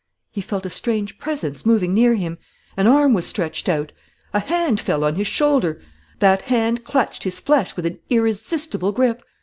He felt a strange presence moving near him! An arm was stretched out! A hand fell on his shoulder! That hand clutched his flesh with an irresistible grip!